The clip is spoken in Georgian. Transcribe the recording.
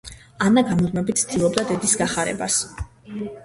ანა გამუდმებით ცდილობდა დედის გახარებას.